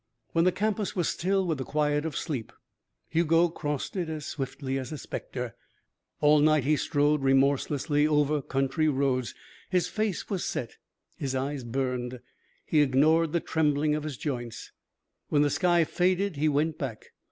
When the campus was still with the quiet of sleep, Hugo crossed it as swiftly as a spectre. All night he strode remorselessly over country roads. His face was set. His eyes burned. He ignored the trembling of his joints. When the sky faded, he went back.